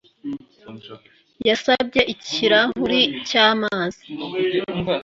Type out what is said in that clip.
Yasabye ikirahuri cyamazi